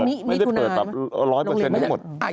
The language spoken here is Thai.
ไม่ได้เปิดแบบร้อยเปอร์เซ็นต์ได้หมด